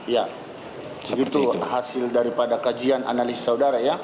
ya begitu hasil daripada kajian analisis saudara ya